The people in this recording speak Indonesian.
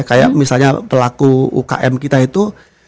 kayak misalnya pelaku ukm kita itu